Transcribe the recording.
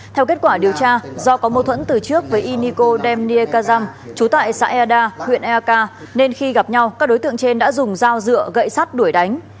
theo kết quả điều tra do có mâu thuẫn từ trước với iniko demnie kazam trú tại xã erda huyện elka nên khi gặp nhau các đối tượng trên đã dùng dao dựa gậy sắt đuổi đánh